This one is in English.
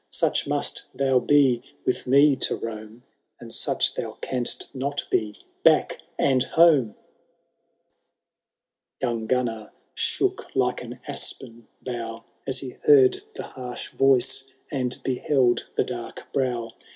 Such must thou be with me to roam, And such thou canst not be— back, and home !XVIII. Young Gunnar shook like an aspen bough. As he heard the harsh voice and beheld the dark brow.